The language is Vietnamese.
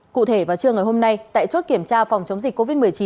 cụ thể vào trưa ngày hôm nay tại chốt kiểm tra phòng chống dịch covid một mươi chín